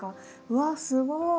うわっすごい。